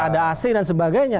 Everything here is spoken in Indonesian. ada asin dan sebagainya